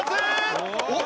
おっ！